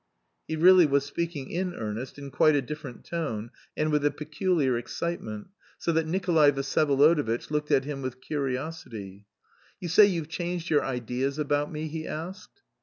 He really was speaking in earnest in quite a different tone, and with a peculiar excitement, so that Nikolay Vsyevolodovitch looked at him with curiosity. "You say you've changed your ideas about me?" he asked.